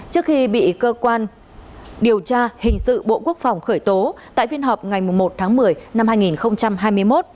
trước khi bị cơ quan điều tra hình sự bộ quốc phòng khởi tố tại phiên họp ngày một tháng một mươi năm hai nghìn hai mươi một